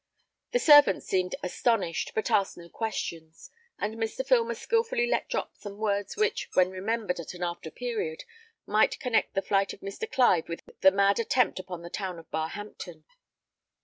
The servants seemed astonished, but asked no questions; and Mr. Filmer skilfully let drop some words which, when remembered at an after period, might connect the flight of Mr. Clive with the mad attempt upon the town of Barhampton.